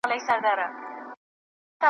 زړه می هر گړی ستا سترگي راته ستایی .